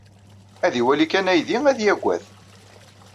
Ad iwali kan aydi, ad yaggad.